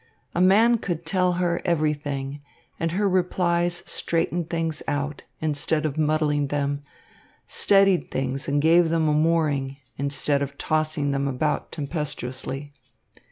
A man could tell her everything, and her replies straightened things out, instead of muddling them, steadied things and gave them a mooring, instead of tossing them about tempestuously.